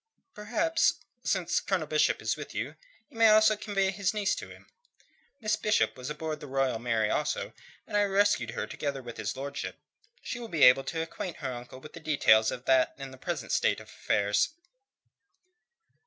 "Perhaps, since Colonel Bishop is with you, you will convey his niece to him. Miss Bishop was aboard the Royal Mary also, and I rescued her together with his lordship. She will be able to acquaint her uncle with the details of that and of the present state of affairs."